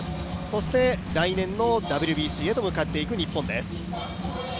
そして来年のＷＢＣへと向かっていく日本です。